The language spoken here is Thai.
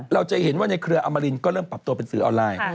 เราจะเห็นว่าในเครืออมรินก็เริ่มปรับตัวเป็นสื่อออนไลน์